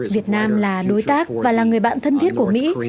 việt nam là đối tác và là người bạn thân thiết của mỹ